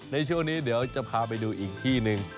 ในช่วงนี้เดี๋ยวจะพาไปดูอีกที่หนึ่ง